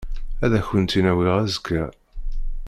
Ad akent-tt-in-awiɣ azekka.